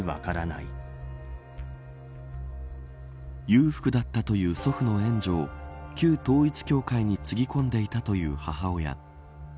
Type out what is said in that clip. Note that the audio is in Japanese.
裕福だったという祖父の援助を旧統一教会につぎ込んでいたという母親。